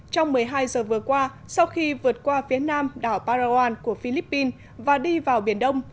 trong một mươi hai giờ vừa qua sau khi vượt qua phía nam đảo parawan của philippines và đi vào biển đông